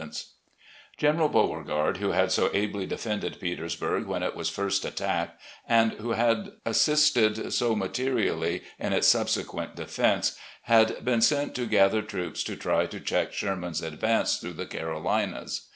..." 144 THE SURRENDER 145 General Beauregard, who had so ably defended Peters burg when it was first attacked, and who had assisted so materially in its subsequent defense, had been sent to gather troops to try to check Sherman's advance through the Carolinas.